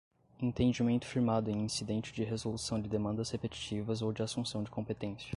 entendimento firmado em incidente de resolução de demandas repetitivas ou de assunção de competência